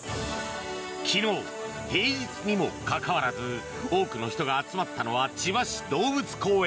昨日、平日にもかかわらず多くの人が集まったのは千葉市動物公園。